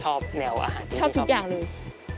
ชอบตรงเครื่องหน้าข้างบนค่ะ